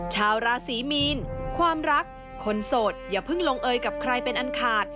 ชาวราศีมีนความรักคนโสดอย่าเพิ่งลงเอยกับใครเป็นอันขาด